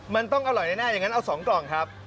มันต้องอร่อยแน่อย่างนั้นเอา๒กล่องครับ